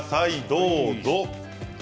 どうぞ。